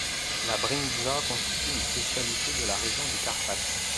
La bryndza constitue une spécialité de la région des Carpathes.